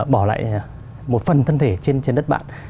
bỏ lại một phần thân thể trên đất bạn